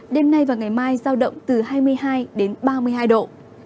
đêm nay và ngày mai giao động từ hai mươi hai đến ba mươi hai độ